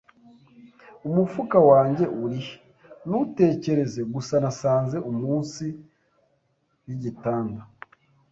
Umufuka wanjye uri he? Ntutekereze! Gusa nasanze munsi yigitanda.